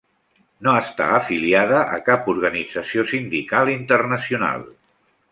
No està afiliada a cap organització sindical internacional.